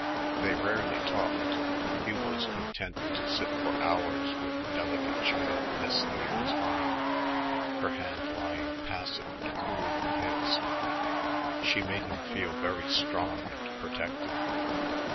They rarely talked. Hugh was content to sit for hours with the delicate child nestling in his arm, her hand lying passive and cool in his. She made him feel very strong and protective.